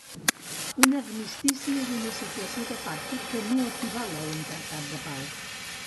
Un armistici és una situació de pacte que no equival a un tractat de pau.